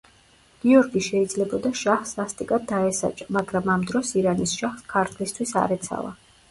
გიორგი შეიძლებოდა შაჰს სასტიკად დაესაჯა, მაგრამ ამ დროს ირანის შაჰს ქართლისთვის არ ეცალა.